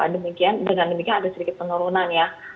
dengan demikian ada sedikit penurunan